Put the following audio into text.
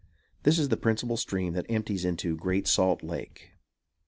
This is the principal stream that empties into GREAT SALT LAKE.